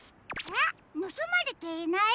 えっぬすまれていない？